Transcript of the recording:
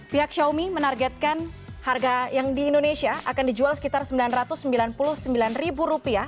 pihak xiaomi menargetkan harga yang di indonesia akan dijual sekitar rp sembilan ratus sembilan puluh sembilan